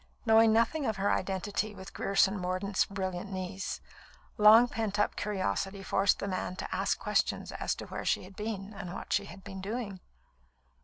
Knowing nothing of her identity with Grierson Mordaunt's brilliant niece, long pent up curiosity forced the man to ask questions as to where she had been and what she had been doing.